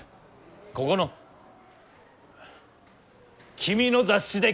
ここの君の雑誌で書く！